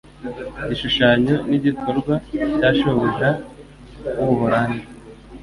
Igishushanyo nigikorwa cya shobuja wu Buholandi.